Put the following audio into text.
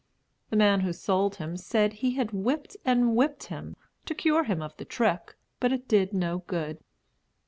The man who sold him said he had whipped and whipped him, to cure him of the trick, but it did no good.